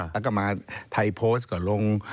แล้วก็มาไทยโพสต์ก่อนลง